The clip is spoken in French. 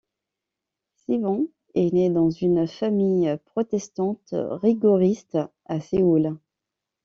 Siwon est né dans une famille protestante rigoriste, à Séoul.